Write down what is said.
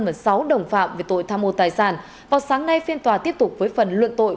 và sáu đồng phạm về tội tham mô tài sản vào sáng nay phiên tòa tiếp tục với phần luận tội